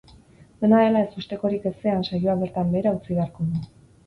Dena dela, ezustekorik ezean saioa bertan behera utzi beharko du.